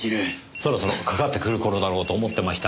そろそろかかってくる頃だろうと思ってました。